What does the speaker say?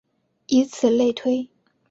以此类推。